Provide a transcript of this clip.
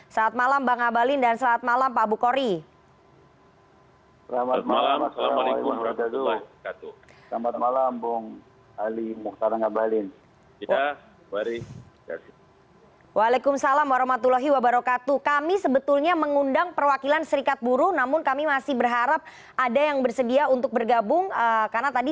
selamat malam bang ngabalin dan selamat malam pak bukhari